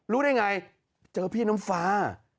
รู้ได้ไงเจอพี่น้ำฟ้า